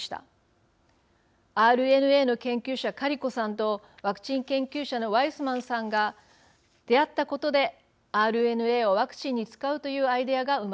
ＲＮＡの研究者カリコさんとワクチン研究者のワイスマンさんが出会ったことでＲＮＡをワクチンに使うというアイデアが生まれたのです。